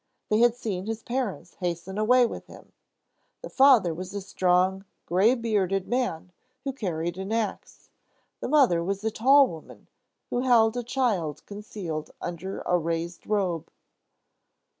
They had seen his parents hasten away with him. The father was a strong, gray bearded man who carried an ax; the mother was a tall woman who held a child concealed under a raised robe.